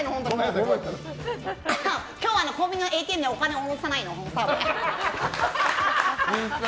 今日はね、コンビニのＡＴＭでお金おろさないの。